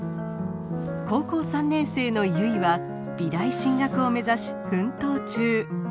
高校３年生の結は美大進学を目指し奮闘中。